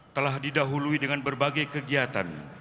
telah didahului dengan berbagai kegiatan